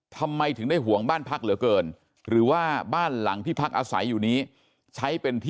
ทำไมถึงได้ห่วงบ้านพักเหลือเกินหรือว่าบ้านหลังที่พักอาศัยอยู่นี้ใช้เป็นที่